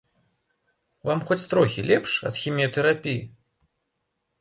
Вам хоць трохі лепш ад хіміятэрапіі?